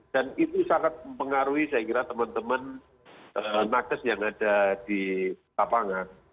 dan itu sangat mempengaruhi saya kira teman teman nugget yang ada di tapangan